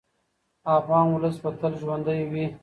افغان ولس به تل ژوندی وي.